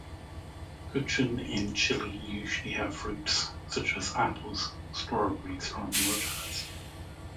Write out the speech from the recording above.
Kuchen in Chile usually have fruits, such as apples, strawberries or murtas.